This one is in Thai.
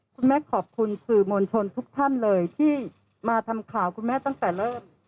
คุณแม่ขอบคุณสื่อมวลชนทุกท่านเลยที่มาทำข่าวคุณแม่ตั้งแต่เริ่ม